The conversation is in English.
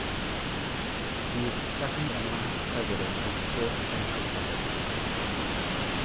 He was the second and last president of the Fourth French Republic.